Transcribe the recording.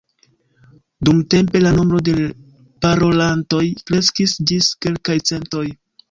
Dumtempe la nombro de parolantoj kreskis ĝis kelkaj centoj.